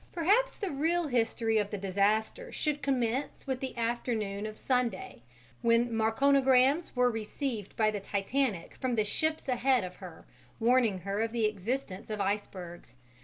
Perhaps the real history of the disaster should commence with the afternoon of Sunday, when Marconigrams were received by the Titanic from the ships ahead of her, warning her of the existence of icebergs.